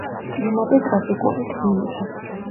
კლიმატი ტროპიკული, თბილია.